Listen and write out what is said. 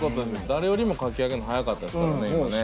誰よりも書き上げるの早かったですからね今ね。